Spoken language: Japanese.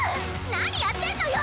何やってんのよ！